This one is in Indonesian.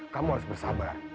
kamu harus bersabar